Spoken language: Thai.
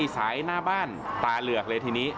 สายหน้าบ้านตาเหลือกเลยทีนี้